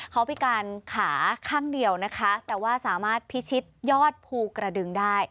เขาพิการขาข้างเดียวนะคะแต่ว่าสามารถพิชิตยอดภูกระดึงได้